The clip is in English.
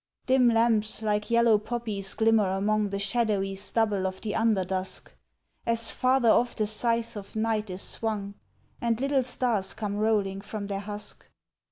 Dim lamps like yellow poppies glimmer among The shadowy stubble of the under dusk, As farther off the scythe of night is swung, And little stars come rolling from their husk.